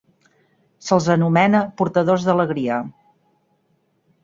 Se'ls anomena "portadors d'alegria".